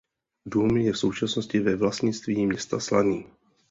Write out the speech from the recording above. Dům je v současnosti ve vlastnictví Města Slaný.